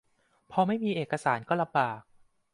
พอไม่มีเอกสารก็ลำบาก